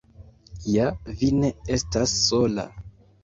Ja vi ne estas sola.